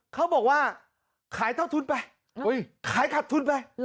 เขาบอกว่าขายเท่าทุนไปขายขัดทุนไป